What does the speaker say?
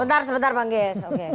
sebentar sebentar pak gies